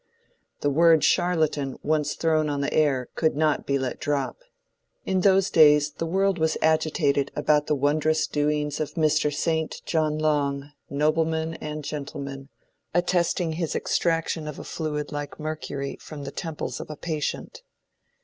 The word charlatan once thrown on the air could not be let drop. In those days the world was agitated about the wondrous doings of Mr. St. John Long, "noblemen and gentlemen" attesting his extraction of a fluid like mercury from the temples of a patient.